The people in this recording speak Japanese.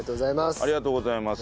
ありがとうございます。